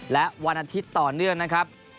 และวันอาทิตย์ต่อเนื่องนะครับ